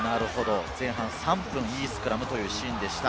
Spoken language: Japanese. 前半３分、いいスクラムというシーンでした。